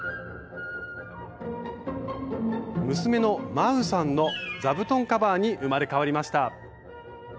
娘のまうさんの「座布団カバー」に生まれ変わりました。